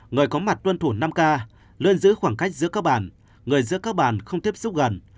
người có mặt tuân thủ năm k luôn giữ khoảng cách giữa các bàn người giữa các bàn không tiếp xúc gần